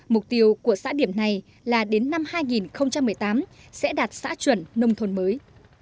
mục tiêu của xã điểm này là đến năm hai nghìn một mươi tám sẽ đạt xã chuẩn nông thôn mới